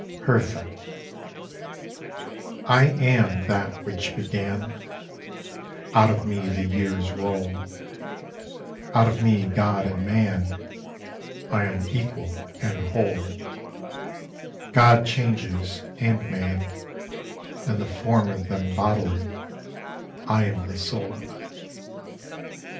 HERTHA I AM that which began; Out of me the years roll; Out of me God and man; I am equal and whole; God changes, and man, and the form of them bodily; I am the soul.